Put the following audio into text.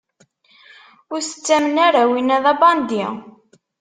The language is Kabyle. Ur t-ttamen ara, winna d abnadi!